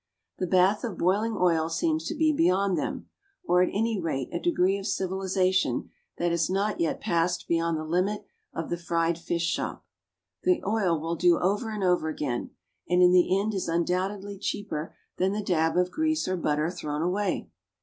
The bath of boiling oil seems to be beyond them, or at any rate a degree of civilisation that has not yet passed beyond the limit of the fried fish shop. The oil will do over and over again, and in the end is undoubtedly cheaper than the dab of grease or butter thrown away.